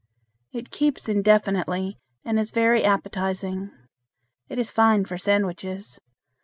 It keeps indefinitely, and is very appetizing. It is fine for sandwiches.